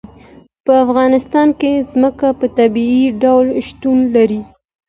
په افغانستان کې ځمکه په طبیعي ډول شتون لري.